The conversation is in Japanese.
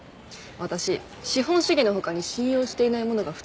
私資本主義の他に信用していないものが２つあんの。